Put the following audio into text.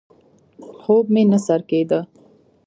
خوب مې نه سر کېده.